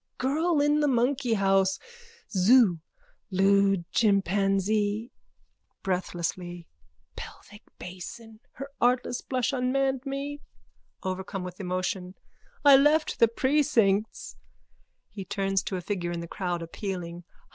Girl in the monkeyhouse. Zoo. Lewd chimpanzee. (Breathlessly.) Pelvic basin. Her artless blush unmanned me. (Overcome with emotion.) I left the precincts. (He turns to a figure in the crowd, appealing.)